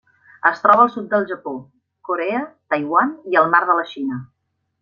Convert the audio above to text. Es troba al sud del Japó, Corea, Taiwan i el Mar de la Xina.